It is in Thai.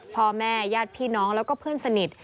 พ่อแม่ญาติพี่น้องแล้วก็เพื่อนสนิท